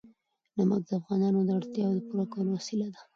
نمک د افغانانو د اړتیاوو د پوره کولو وسیله ده.